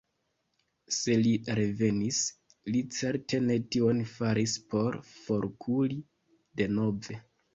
Se li revenis, li certe ne tion faris por forkuri denove.